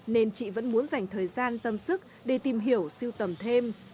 nên chị vẫn muốn dành thời gian tâm sức để tìm hiểu siêu tầm thêm